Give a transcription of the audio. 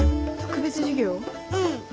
うん。